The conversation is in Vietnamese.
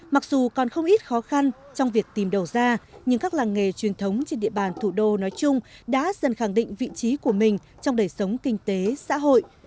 mặc dù còn không ít khó khăn trong việc tìm đầu ra nhưng các làng nghề truyền thống trên địa bàn thủ đô nói chung đã dần khẳng định vị trí của mình trong đời sống kinh tế xã hội